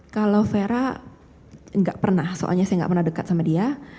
kalau vera tidak pernah soalnya saya nggak pernah dekat sama dia